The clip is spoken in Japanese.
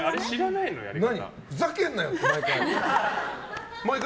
ふざけんなよ！って毎回。